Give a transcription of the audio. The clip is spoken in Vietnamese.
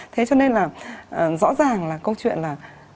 thế cho nên là rõ ràng là câu chuyện là